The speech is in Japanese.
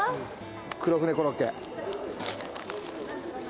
黒船コロッケ。